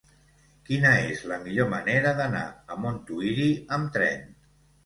Quina és la millor manera d'anar a Montuïri amb tren?